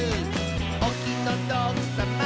「おきのどくさま」